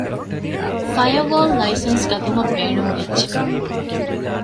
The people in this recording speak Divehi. ފަޔަރވޯލް ލައިސަންސް ގަތުމަށް ބޭނުންވެއްޖެ